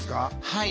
はい。